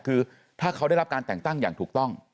คือถ้าเขาได้รับการแต่งตั้งอย่างถูกต้อง